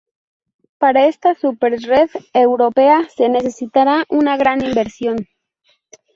Para esta súper-red europea, se necesitará de una gran inversión.